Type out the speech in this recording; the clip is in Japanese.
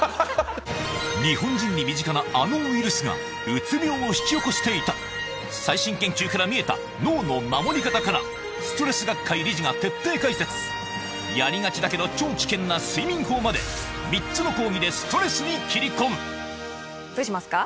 日本人に身近なあのウイルスがうつ病を引き起こしていた最新研究から見えた脳の守り方からストレス学会理事が徹底解説やりがちだけど超危険な睡眠法まで３つの講義でストレスに切り込むどうしますか？